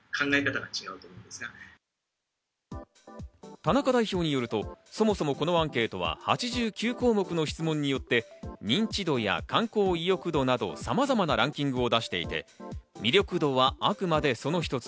田中代表によると、そもそもこのアンケートは８９項目の質問によって、認知度や観光意欲度など、さまざまなランキングを出していて、魅力度はあくまでその一つ。